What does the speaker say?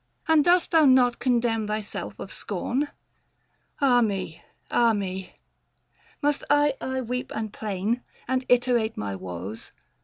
And dost thou not condemn thyself of scorn ? Ah me, ah me ! Must I aye weep and plain, And iterate my woes